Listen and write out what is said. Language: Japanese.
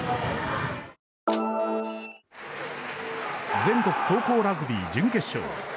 全国高校ラグビー準決勝。